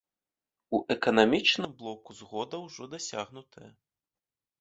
У эканамічным блоку згода ўжо дасягнутая.